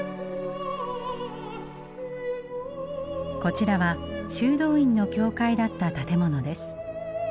こちらは修道院の教会だった建物です。